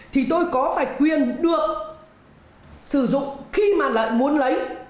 thì tôi có phải quyền được sử dụng khi mà lại muốn lấy